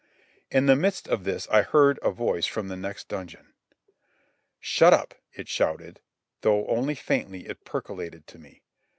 In the midst of this I heard a voice from the next dungeon. "Shut up," it shouted, though only faintly it percolated to me.